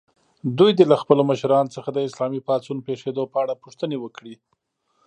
دوی دې له خپلو مشرانو څخه د اسلامي پاڅون پېښېدو په اړه پوښتنې وکړي.